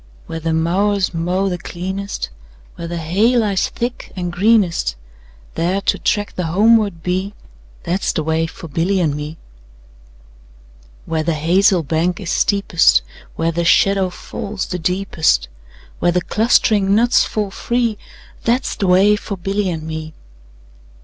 Where the mowers mow the cleanest, Where the hay lies thick and greenest, 10 There to track the homeward bee, That 's the way for Billy and me. Where the hazel bank is steepest, Where the shadow falls the deepest, Where the clustering nuts fall free, 15 That 's the way for Billy and me.